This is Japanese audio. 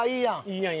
いいやん